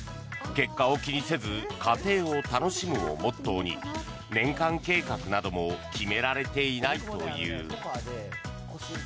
結果を気にせず過程を楽しむをモットーに年間計画なども決められていないという。